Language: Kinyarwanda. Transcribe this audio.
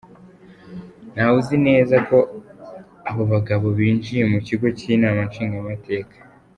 Nta wuzi neza ko abo bagabo binjiye mu kigo c'inama nshingamateka.